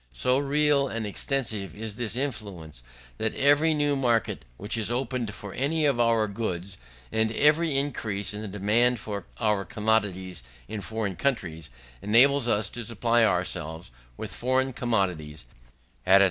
So real and extensive is this influence, that every new market which is opened for any of our goods, and every increase in the demand for our commodities in foreign countries, enables us to supply ourselves with foreign commodities at a smaller cost.